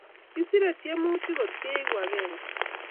kisire tiemutik kot ke egu akenge